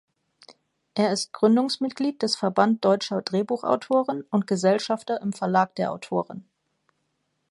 Er ist Gründungsmitglied des Verband Deutscher Drehbuchautoren und Gesellschafter im Verlag der Autoren.